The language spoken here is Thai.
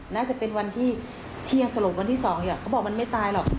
น่าจะเป็นวันที่เที่ยงสรุปวันที่๒เขาบอกมันไม่ตายหรอก